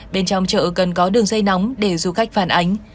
bên trong chợ cần có đường dây nóng để du khách phản ánh